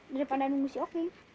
daripada nunggu si oking